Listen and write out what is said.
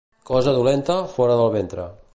Cosa dolenta, fora del ventre.